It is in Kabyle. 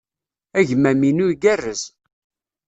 Agmam-inu igerrez.